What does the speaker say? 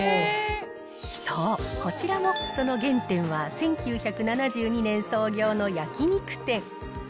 そう、こちらもその原点は１９７２年創業の焼肉店。